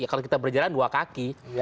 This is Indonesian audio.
kalau kita berjalan dua kaki